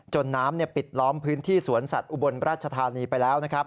น้ำปิดล้อมพื้นที่สวนสัตว์อุบลราชธานีไปแล้วนะครับ